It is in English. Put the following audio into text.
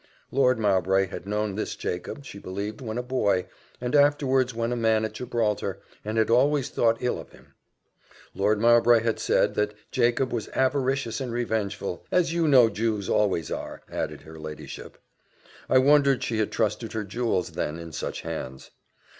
Lord Mowbray had known this Jacob, she believed, when a boy, and afterwards when a man at Gibraltar, and had always thought ill of him. Lord Mowbray had said, that Jacob was avaricious and revengeful; as you know Jews always are, added her ladyship. I wondered she had trusted her jewels, then, in such hands.